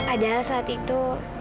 padahal saat itu